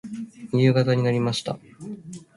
夕方になりました。